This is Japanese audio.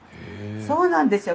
そうなんですよ。